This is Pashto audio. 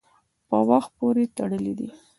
په وخت پورې تړلي دي.